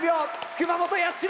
熊本八代